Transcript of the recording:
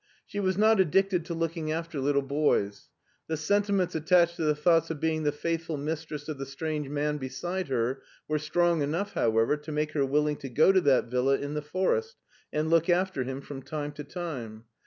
She was not addicted to looking after little boys. The sentiments attached to the thought of being the faith ful mistress of the strange man beside her were strong enough however to make her willing to go to that villa in the forest and look after him from time to time.